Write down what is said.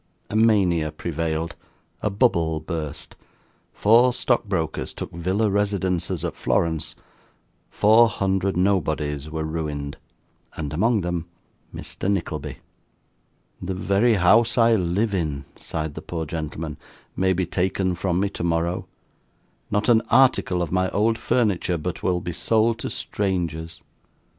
A mania prevailed, a bubble burst, four stock brokers took villa residences at Florence, four hundred nobodies were ruined, and among them Mr. Nickleby. 'The very house I live in,' sighed the poor gentleman, 'may be taken from me tomorrow. Not an article of my old furniture, but will be sold to strangers!